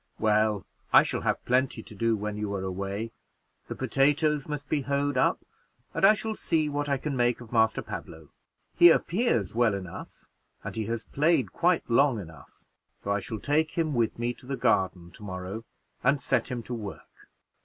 "Well, I shall have plenty to do when you are away the potatoes must be hoed up, and I shall see what I can make of Master Pablo. He appears well enough, and he has played quite long enough, so I shall take him with me to the garden to morrow, and set him to work.